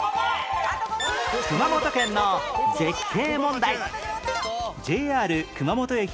熊本県の絶景問題